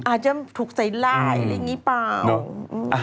อาจจะถูกใส่ลายอะไรอย่างนี้เปล่า